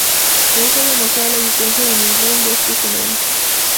No está demostrada la existencia de ninguno de estos fenómenos.